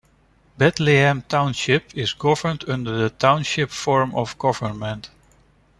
Bethlehem Township is governed under the Township form of government.